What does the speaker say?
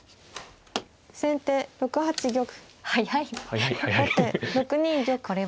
先手７八玉。